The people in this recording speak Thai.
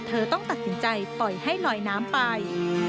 เธอต้องตัดสินใจปล่อยให้ลอยน้ำไป